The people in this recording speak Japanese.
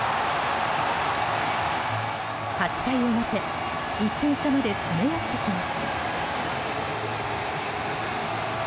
８回表１点差まで詰め寄ってきます。